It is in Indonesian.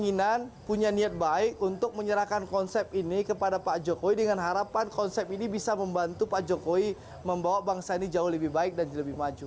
keinginan punya niat baik untuk menyerahkan konsep ini kepada pak jokowi dengan harapan konsep ini bisa membantu pak jokowi membawa bangsa ini jauh lebih baik dan lebih maju